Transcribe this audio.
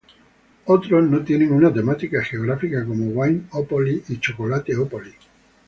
Otros no tienen una temática geográfica, como Wine-opoly y Chocolate-opoly.